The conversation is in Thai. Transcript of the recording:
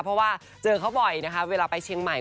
เพราะว่าเจอเขาบ่อยนะคะเวลาไปเชียงใหม่